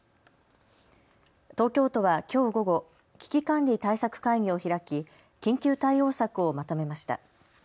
東京都はきょう午後、危機管理対策会議を開き緊急対応策をまとめました。